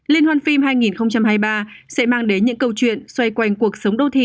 liên hoan phim hai nghìn hai mươi ba sẽ mang đến những câu chuyện xoay quanh cuộc sống của việt nam